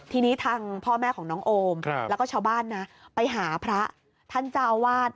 ทีนี้ทางพ่อแม่ของน้องโอมแล้วก็ชาวบ้านนะไปหาพระท่านเจ้าอาวาส